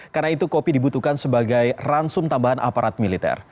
karena itu kopi dibutuhkan sebagai ransum tambahan aparat militer